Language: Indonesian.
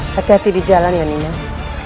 hati hati di jalan ya nimas